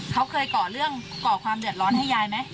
เขาเคยก่อเรื่องก่อความเดือดร้อนให้ยายไหม